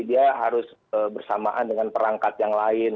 dia harus bersamaan dengan perangkat yang lain